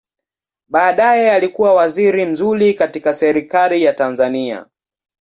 Baadaye alikua waziri mzuri katika Serikali ya Tanzania.